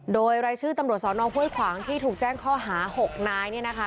โดยรายชื่อตำรวจสอนองห้วยขวางที่ถูกแจ้งข้อหา๖นายเนี่ยนะคะ